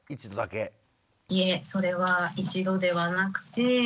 いえそれは１度ではなくて。